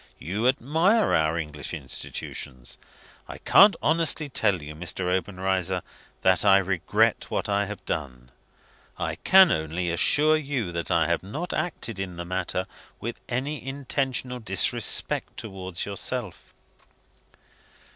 "You admire our English institutions. I can't honestly tell you, Mr. Obenreizer, that I regret what I have done. I can only assure you that I have not acted in the matter with any intentional disrespect towards yourself.